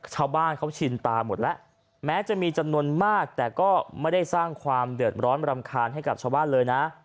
ชาวบ้านเขาชินตาหมดแล้วแม้จะมีจำนวนมากแต่ก็ไม่ได้สร้างความเดือดร้อนรำคาญให้กับชาวบ้านเลยนะ